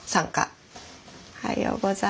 おはようございます。